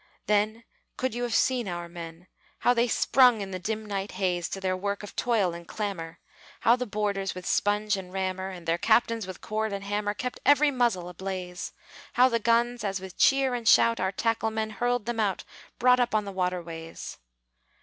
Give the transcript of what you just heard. then Could you have seen our men. How they sprung in the dim night haze, To their work of toil and of clamor! How the boarders, with sponge and rammer And their captains, with cord and hammer, Kept every muzzle ablaze. How the guns, as with cheer and shout Our tackle men hurled them out Brought up on the water ways!